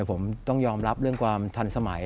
ผมต้องยอมรับเรื่องความทันสมัย